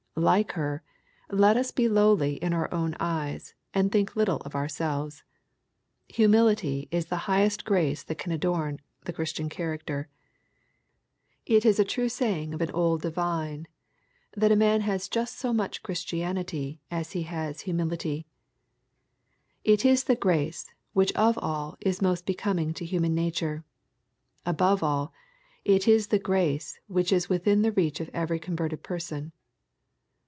Like her, let us be lowly in our own eyes, and think little of ourselves. Humility is the high est grace that can adorn the Christian character. It is a true saying of an old divine, that " a man has just so much Christianity as he has humility.'' It is the.grace, which of all is most becoming to human nature. Above all, it is the grace which is within the reach of every converted person.